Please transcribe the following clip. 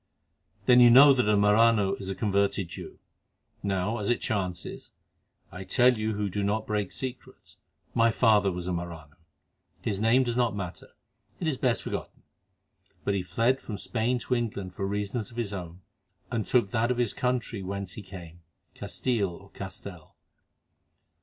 "Then you know that a Marano is a converted Jew. Now, as it chances—I tell you who do not break secrets—my father was a Marano. His name does not matter—it is best forgotten; but he fled from Spain to England for reasons of his own, and took that of the country whence he came—Castile, or Castell.